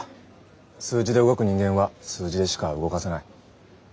数字で動く人間は数字でしか動かせない。